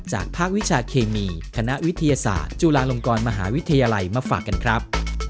จากภาควิชาเคมีคณะวิทยาศาสตร์จุฬาลงกรมหาวิทยาลัยมาฝากกันครับ